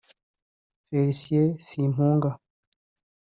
Felicien Simpunga